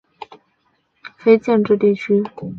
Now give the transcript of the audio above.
奥蒂戈为位在美国堪萨斯州朱厄尔县的非建制地区。